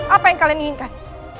apa yang kalian inginkan